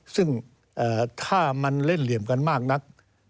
ซึ่งถ้ามันเล่นเหลี่ยมกันมากนัก